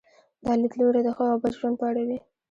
دا لیدلوری د ښه او بد ژوند په اړه وي.